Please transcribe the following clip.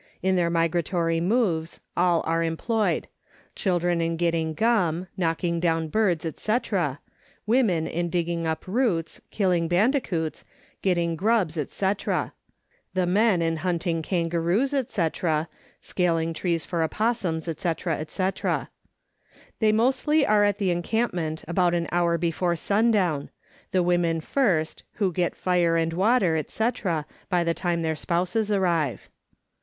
In their migratory moves all are employed ; children in getting gum, knocking down birds, &c.; women in digging up roots, killing bandicouts, getting grubs, &c. ; the men in hunting kangaroos, &c., scaling trees for opossums, &c., &c. They mostly are at the encampment about an hour before sundown the women first, who get fire and water, &c., by the time their spouses arrive.